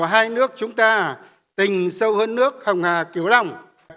và hai nước chúng ta tình sâu hơn nước hồng hà kiều long